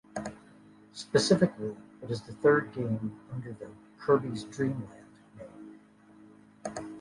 Specifically, it is the third game under the "Kirby's Dream Land" name.